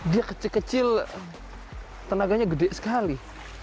dia kecil kecil tenaganya gede sekali